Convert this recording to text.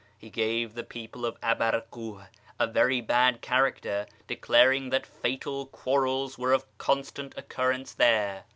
He gave the people of Abarkuh a very bad character, declaring that fatal quarrels were of constant occurrence there.